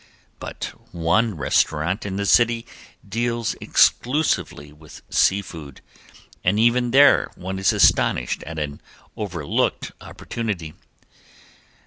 But one restaurant in the city deals exclusively with sea food, and even there one is astonished at an overlooked opportunity.